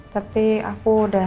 tapi aku udah